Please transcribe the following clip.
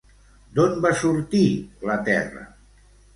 D'on va sortir la Terra?